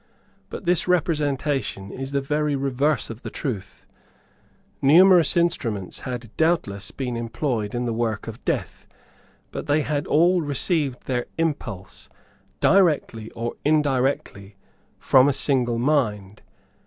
But this representation is the very reverse of the truth. Numerous instruments had doubtless been employed in the work of death; but they had all received their impulse, directly or indirectly, from a single mind.